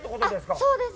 そうです。